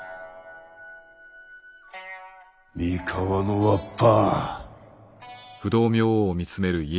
三河のわっぱ。